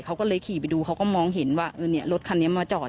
เขาก็เลยขี่ไปดูเขาก็มองเห็นว่าเออเนี่ยรถคันนี้มาจอด